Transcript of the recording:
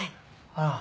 ああ。